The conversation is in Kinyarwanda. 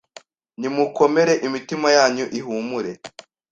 Nimukomere imitima yanyu ihumure